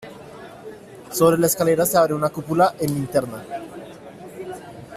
Sobre la escalera se abre una cúpula en linterna.